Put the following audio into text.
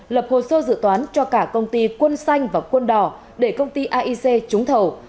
lập hồ sơ dự toán cho cả công ty quân xanh và quân đỏ để công ty aic trúng thầu